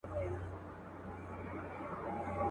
د ساحل روڼو اوبو کي.